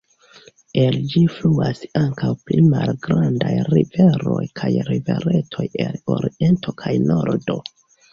El ĝi fluas ankaŭ pli malgrandaj riveroj kaj riveretoj el oriento kaj nordo.